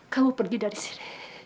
kamu pergi dari sini